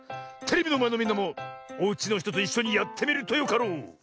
テレビのまえのみんなもおうちのひとといっしょにやってみるとよかろう。